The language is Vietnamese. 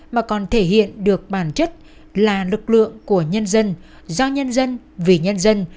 mà còn thể hiện được bản chất là lực lượng của nhân dân do nhân dân vì nhân dân